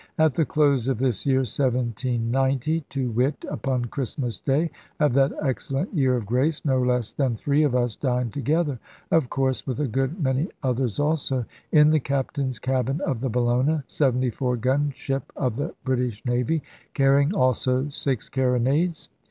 At the close of this year 1790, to wit, upon Christmas day of that excellent year of grace, no less than three of us dined together (of course, with a good many others also) in the Captain's cabin of the Bellona, 74 gun ship of the British Navy, carrying also six carronades.